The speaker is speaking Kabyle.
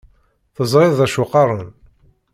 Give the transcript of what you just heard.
Teẓriḍ d acu qqaren.